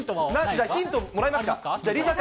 じゃあ、ヒントもらいますか。